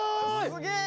すげえ！